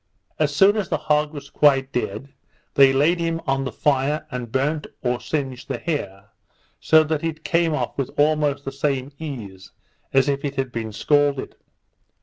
As soon as the hog was quite dead, they laid him on the fire, and burnt or singed the hair, so that it came off with almost the same ease as if it had been scalded.